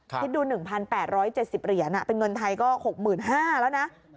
คิดดู๑๘๗๐เหรียญเป็นเงินไทยก็๖๕๐๐แล้วนะ